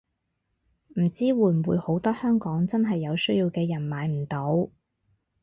唔知會唔會好多香港真係有需要嘅人買唔到